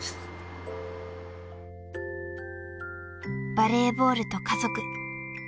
［バレーボールと家族］